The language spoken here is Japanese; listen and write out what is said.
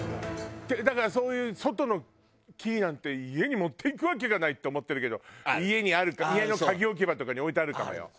だからそういう外のキーなんて家に持っていくわけがないって思ってるけど家にある家の鍵置き場とかに置いてあるかもよ。